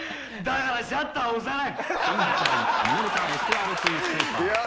「だからシャッターを押さない」。